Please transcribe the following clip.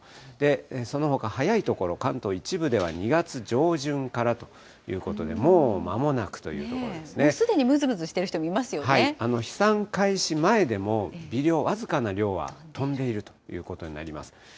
そのほか早い所、関東の一部では２月上旬からということで、すでにむずむずしている人も飛散開始前でも、微量、僅かな量は飛んでいるということになります。